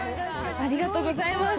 ありがとうございます！